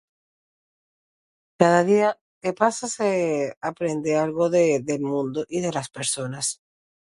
cada día que pasa se aprende algo de... del mundo y de las personas